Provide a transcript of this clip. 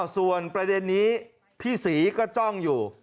ส่วนประเด็นนี้พี่ศรีก็จ้องอยู่